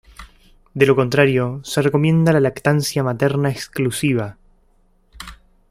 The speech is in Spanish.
De lo contrario, se recomienda la lactancia materna exclusiva.